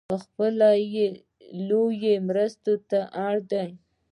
پخپله لویې مرستې ته اړ دی .